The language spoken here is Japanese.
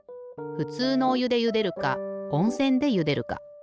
ふつうのおゆでゆでるかおんせんでゆでるか。